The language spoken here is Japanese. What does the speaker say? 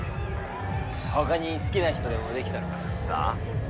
ほかに好きな人でもできたのかなさぁ？